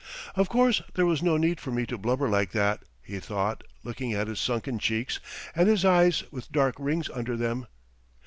"Of course there was no need for me to blubber like that!" he thought, looking at his sunken cheeks and his eyes with dark rings under them.